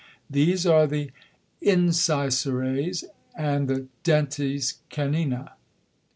These are the Incisores, and the Dentes Canini.